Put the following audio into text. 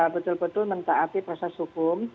betul betul mentaati proses hukum